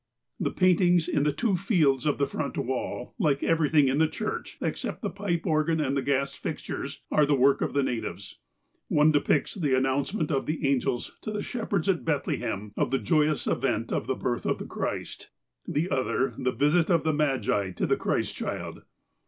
The paintings in the two fields of the front wall, like everything in the church, except the pipe organ and the gas fixtures, are the work of the natives. One depicts the announcement by the angels to the shepherds at Bethle hem of the joyous event of the birth of the Christ; the other the visit of the Magi to the Christ child.